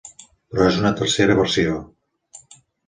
Però és una tercera versió.